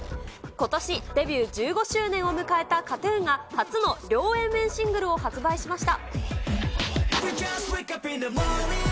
ことしデビュー１５周年を迎えたＫＡＴーＴＵＮが初の両Ａ面シングルを発売しました。